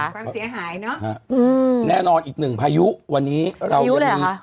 ความเสียหายเนอะอืมแน่นอนอีกหนึ่งพายุวันนี้พายุเลยหรอคะ